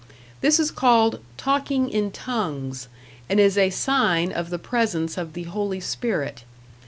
This is called "talking in tongues" and is a sign of the presence of the Holy Spirit.